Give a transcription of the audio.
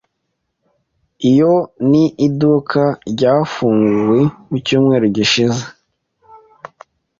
Iyo ni iduka ryafunguwe mu cyumweru gishize.